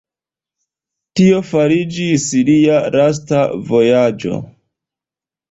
Tio fariĝis lia lasta vojaĝo.